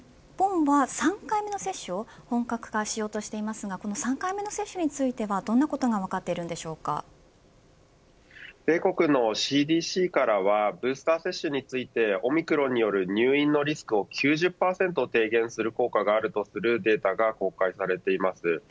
日本は３回目の接種を本格化しようとしていますが３回目の接種についてはどんなことが米国のＣＤＣからはブースター接種についてオミクロンによる入院のリスクを９０％低減する効果があるとするデータが公開されています。